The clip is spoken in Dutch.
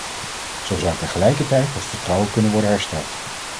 Zo zou tegelijkertijd het vertrouwen kunnen worden hersteld.